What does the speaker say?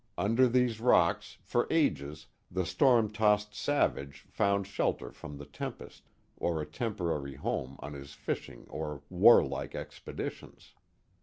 Under these rocks, for ages, the storm tossed sav age found shelter from the tempest, or a temporary home on his fishing or warlike expeditions.